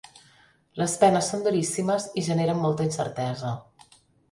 Les penes són duríssimes i generen molta incertesa.